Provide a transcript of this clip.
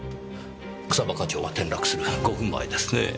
草葉課長が転落する５分前ですねぇ。